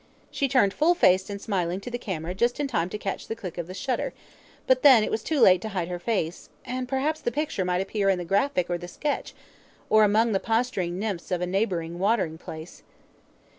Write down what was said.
She turned full faced and smiling to the camera just in time to catch the click of the shutter, but then it was too late to hide her face, and perhaps the picture might appear in the Graphic or the Sketch, or among the posturing nymphs of a neighbouring watering place.